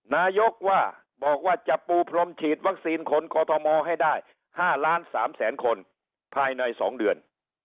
นายกว่าบอกว่าจะปูพรมฉีดวัคซีนคนกอทมให้ได้๕ล้าน๓แสนคนภายใน๒เดือน